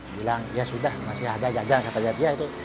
bilang ya sudah masih ada jajan kata jatiah itu